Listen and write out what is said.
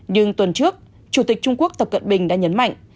nhưng tuần trước chủ tịch trung quốc tập cận bình đã nhấn mạnh